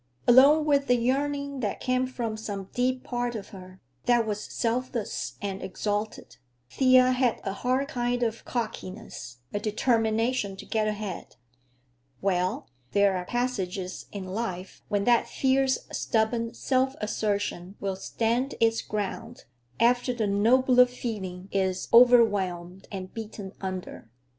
Along with the yearning that came from some deep part of her, that was selfless and exalted, Thea had a hard kind of cockiness, a determination to get ahead. Well, there are passages in life when that fierce, stubborn self assertion will stand its ground after the nobler feeling is overwhelmed and beaten under.